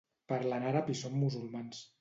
Parlen àrab i són musulmans.